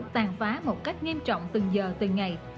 tàn phá một cách nghiêm trọng từng giờ từng ngày